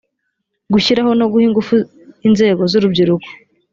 gushyiraho no guha ingufu inzego z urubyiruko